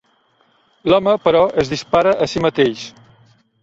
L'home, però, es dispara a si mateix.